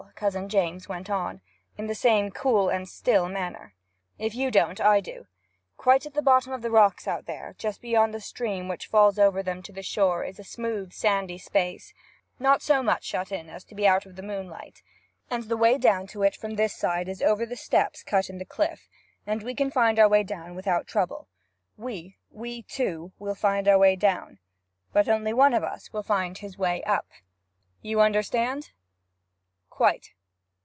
Cousin James went on, in the same cool and still manner. 'If you don't, I do. Quite at the bottom of the rocks out there, just beyond the stream which falls over them to the shore, is a smooth sandy space, not so much shut in as to be out of the moonlight; and the way down to it from this side is over steps cut in the cliff; and we can find our way down without trouble. We we two will find our way down; but only one of us will find his way up, you understand?' 'Quite.'